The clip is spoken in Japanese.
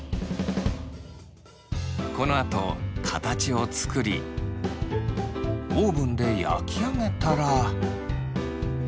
このあと形を作りオーブンで焼き上げたら。